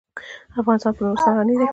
افغانستان په نورستان غني دی.